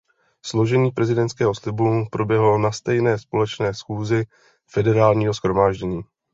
Složení prezidentského slibu proběhlo na stejné společné schůzi Federálního shromáždění.